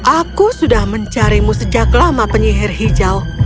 aku sudah mencarimu sejak lama penyihir hijau